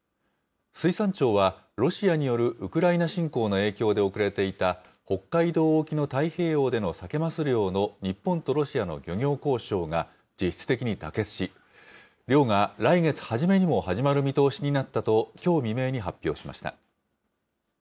水産庁は、ロシアによるウクライナ侵攻の影響で遅れていた、北海道沖の太平洋でのサケ・マス漁の日本とロシアの漁業交渉が実質的に妥結し、漁が来月初めにも始まる見通しになったと、きょう未明に発表しました。